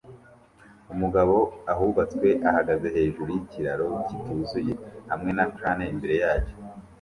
Umugabo ahubatswe ahagaze hejuru yikiraro kituzuye hamwe na crane imbere yacyo